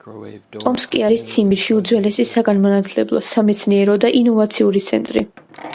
ტომსკი არის ციმბირში უძველესი საგანმანათლებლო, სამეცნიერო და ინოვაციური ცენტრი.